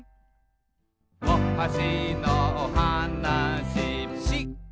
「おはしのおはなし」